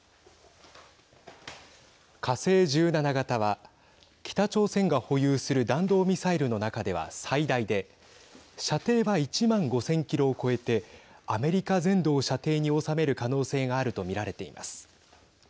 火星１７型は北朝鮮が保有する弾道ミサイルの中では最大で射程は１万５０００キロを超えてアメリカ全土を射程に収める可能性があると見られています。